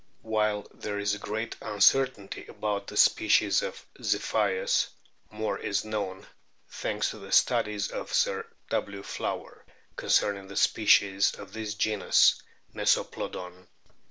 While there is a great uncertainty about' the species of Zip kiits more is known, thanks to the studies of Sir W. Flower, concerning the species of this genus Mesoplodon.